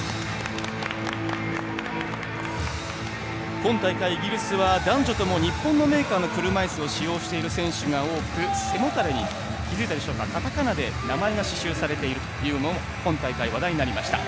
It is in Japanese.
今大会、イギリスは男女とも日本のメーカーの車いすを利用している選手が多く、背もたれにカタカナで名前が刺しゅうされているというのも今大会、話題になりました。